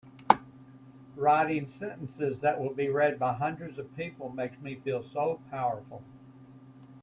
Writing sentences that will be read by hundreds of people makes me feel so powerful!